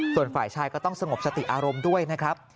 ส่วนฝ่ายชายก็ต้องสงบสติอารมณ์ด้วยนะครับ